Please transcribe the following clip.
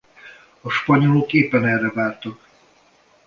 A spanyolok éppen erre vártak.